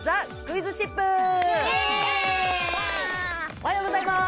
おはようございます。